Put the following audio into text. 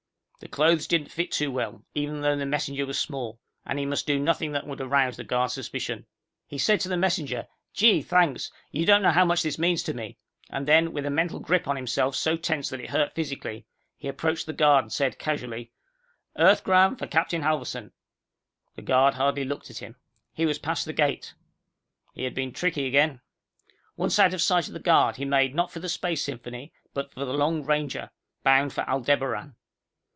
The clothes didn't fit too well, even though the messenger was small, and he must do nothing that would arouse the guard's suspicion. He said to the messenger, "Gee, thanks. You don't know how much this means to me." And then, with a mental grip on himself so tense that it hurt physically, he approached the guard, and said casually, "Earth 'gram for Captain Halverson." The guard hardly looked at him. He was past the gate! He had been tricky again. Once out of sight of the guard, he made not for the Space Symphony, but for the Long Ranger, bound for Aldebaran.